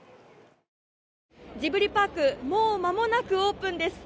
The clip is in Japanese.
ジブリパーク、もう間もなくオープンです。